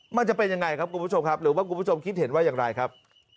มันจะเป็นยังไงครับคุณผู้ชมครับหรือว่าคุณผู้ชมคิดเห็นว่าอย่างไรครับ